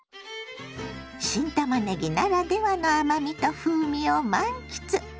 新たまねぎならではの甘みと風味を満喫。